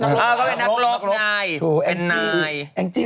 ป้องค่ะป้องค่ะให้ทำงี้